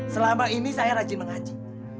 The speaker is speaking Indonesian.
selama ini saya rajin mengaji